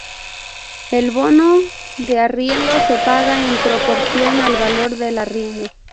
El bono de arriendo se paga en proporción al valor del arriendo.